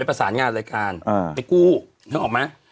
ไปกู้พร้อมออกมา